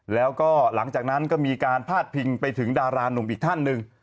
แล้วก็หลังจากนั้นก็มีการพาดพิงไปถึงดารานุ่มอีกท่านหนึ่ง